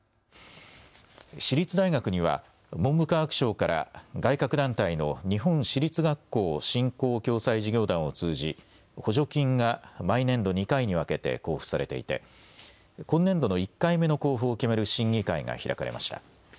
私立大学には文部科学省から外郭団体の日本私立学校振興・共済事業団を通じ補助金が毎年度２回に分けて交付されていて今年度の１回目の交付を決める審議会が開かれました。